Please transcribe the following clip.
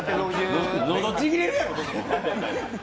喉ちぎれるやろ。